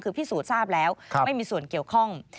คือพิสูจน์ทราบแล้วไม่มีส่วนเกี่ยวข้อง